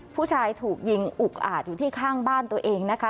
ผู้ชายถูกยิงอุกอาจอยู่ที่ข้างบ้านตัวเองนะคะ